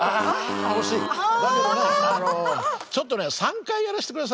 だけどねあのちょっとね３回やらしてください。